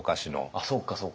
あっそうかそうか。